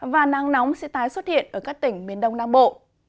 và nắng nóng sẽ tái xuất hiện ở các tỉnh miền đông nam bộ